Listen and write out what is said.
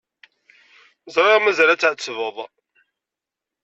Ẓriɣ mazal ad ɛettbeɣ.